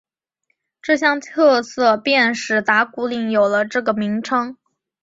这项特色便使打鼓岭有了这个名称。